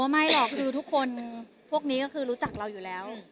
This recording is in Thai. ไม่หรอกพวกนี้ก็รู้จักเราอยู่แล้ว